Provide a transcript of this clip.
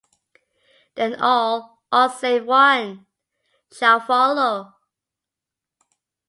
Then all - all save one - shall follow!